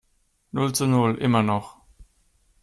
Null zu null, immer noch.